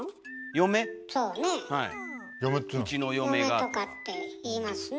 嫁とかって言いますね。